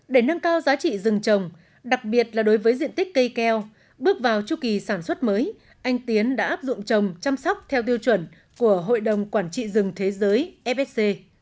để nâng cao giá trị rừng trồng đặc biệt là đối với diện tích cây keo bước vào chu kỳ sản xuất mới anh tiến đã áp dụng trồng chăm sóc theo tiêu chuẩn của hội đồng quản trị rừng thế giới fsc